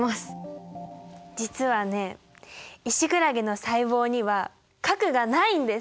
実はねイシクラゲの細胞には核がないんです。